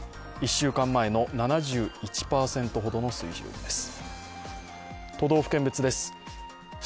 １週間前の７１％ほどの水準です。